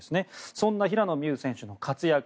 そんな平野美宇選手の活躍